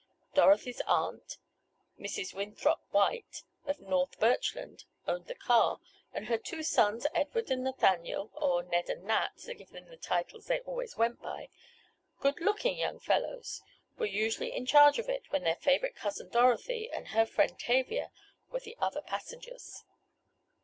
Dorothy's aunt, Mrs. Winthrop White, of North Birchland, owned the car, and her two sons, Edward and Nathaniel (or Ned and Nat, to give them the titles they always went by) good looking young fellows, were usually in charge of it when their favorite cousin Dorothy, and her friend Tavia, were the other passengers.